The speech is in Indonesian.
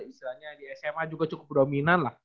misalnya di sma juga cukup berominan lah